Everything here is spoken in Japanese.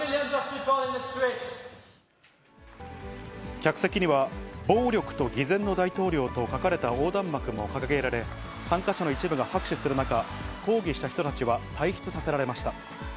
客席には、暴力と偽善の大統領と書かれた横断幕も掲げられ、参加者の一部が拍手する中、抗議した人たちは退出させられました。